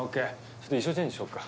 ちょっと衣装チェンジしよっか。